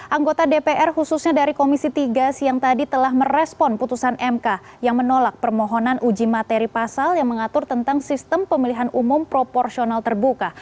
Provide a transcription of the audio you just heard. anggota dpr khususnya dari komisi tiga siang tadi telah merespon putusan mk yang menolak permohonan uji materi pasal yang mengatur tentang sistem pemilihan umum proporsional terbuka